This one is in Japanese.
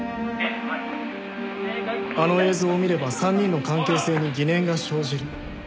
あの映像を見れば３人の関係性に疑念が生じる。